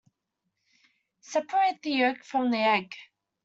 Separate the yolk from the egg.